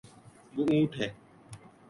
وہ اونٹ ہے